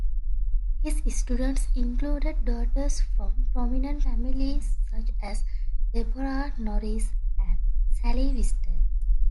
His students included daughters from prominent families, such as Deborah Norris and Sally Wister.